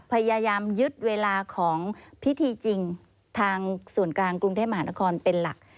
พยายามยึดเวลาของพิธีจริงทางส่วนกลางกรุงเทพมหานครเป็นหลัก